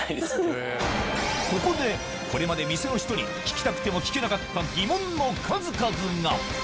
ここでこれまで店の人に聞きたくても聞けなかった疑問の数々が！